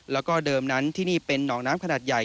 แล้วก็เดิมนั้นที่นี่เป็นหนองน้ำขนาดใหญ่